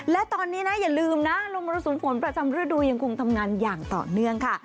และตอนนี้นะอย่าลืมนะลมมรสุมฝนประจำฤดูยังคงทำงานอย่างต่อเนื่องค่ะ